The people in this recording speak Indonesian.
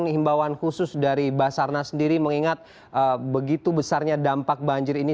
himbauan khusus dari basarnas sendiri mengingat begitu besarnya dampak banjir ini